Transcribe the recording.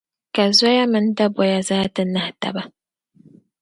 ka zoya mini daboya zaa ti nahi taba.